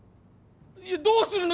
どうするの？